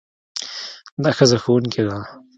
دا ښځه ښوونکې ده.